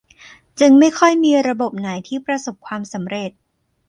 จึงไม่ค่อยมีระบบไหนที่ประสบความสำเร็จ